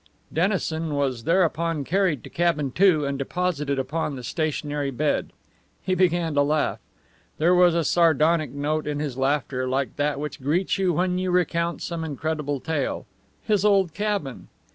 Dennison was thereupon carried to Cabin Two, and deposited upon the stationary bed. He began to laugh. There was a sardonic note in this laughter, like that which greets you when you recount some incredible tale. His old cabin!